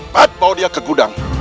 pat bawa dia ke gudang